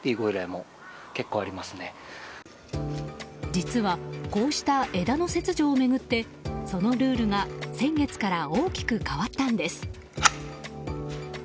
実はこうした枝の切除を巡ってそのルールが先月から大きく変わったんです。